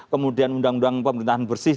kemudian undang undang pemerintahan bersih